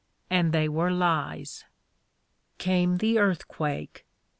And they were lies. Came the earthquake.